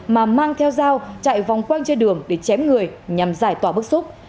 mà mang theo dao chạy vòng quanh trên đường để chém người nhằm giải tỏa bức xúc